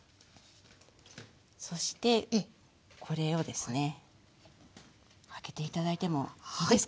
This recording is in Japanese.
そしてこれをですね開けて頂いてもいいですか？